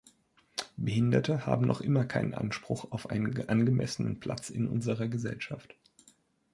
Behinderte haben noch immer keinen Anspruch auf einen angemessenen Platz in unserer Gesellschaft.